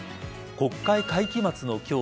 国会会期末の今日